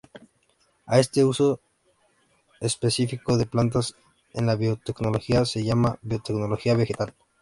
A este uso específico de plantas en la biotecnología se le llama biotecnología vegetal.